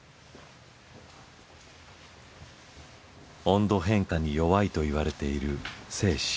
温度変化に弱いといわれている精子。